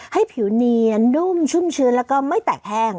ให้ผิวเนียนนุ่มชุ่มชื้นแล้วก็ไม่แตกแห้ง